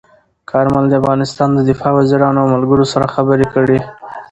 کارمل د افغانستان د دفاع وزیرانو او ملګرو سره خبرې کړي.